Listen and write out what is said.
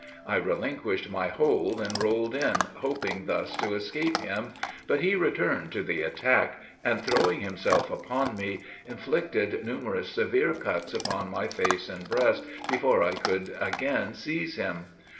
I relinquished my hold and rolled in, hoping thus to escape him; but he returned to the attack, and, throwing himself upon me, inflicted numerous severe cuts upon my face and breast before I could again seize him.